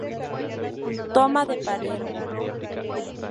Toma de Palermo.